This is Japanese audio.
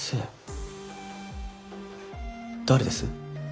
誰です？